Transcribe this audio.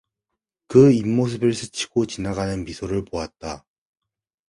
그 입 모습을 스치고 지나가는 미소를 보았다.